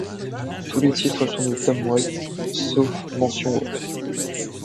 Tous les titres sont de Tom Waits sauf mention autre.